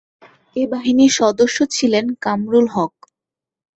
এ বাহিনীর সদস্য ছিলেন কামরুল হক।